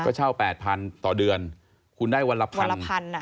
ก็เช่า๘๐๐๐บาทต่อเดือนคุณได้วันละ๑๐๐๐บาท